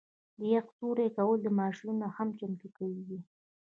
د یخ سوري کولو ماشینونه هم چمتو کیږي